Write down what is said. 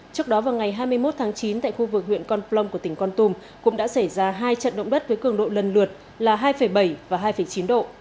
trước đó vào ngày hai mươi một tháng chín tại khu vực huyện con plong của tỉnh con tum cũng đã xảy ra hai trận động đất với cường độ lần lượt là hai bảy và hai chín độ